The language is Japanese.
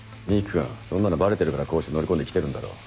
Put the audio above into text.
幹君そんなのバレてるからこうして乗り込んで来てるんだろ。